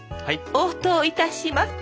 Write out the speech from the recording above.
応答いたします。